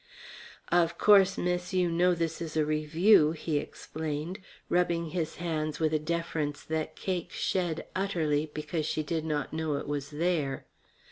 "Of course, Miss, you know this is a Revue," he explained, rubbing his hands with a deference that Cake shed utterly, because she did not know it was there.